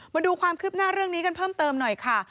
มาดูความคืบหน้าเรื่องนี้กันเพิ่มเติมหน่อยค่ะ